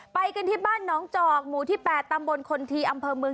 ไปที่บ้านน้องเจาะหมู่ที่๘ธรรมบลคลทีอำเภอเมือง